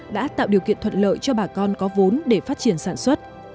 đã tạo điều kiện thuận lợi cho bà con có vốn để phát triển sản xuất